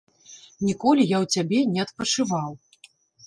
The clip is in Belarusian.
Ніколі я ў цябе не адпачываў.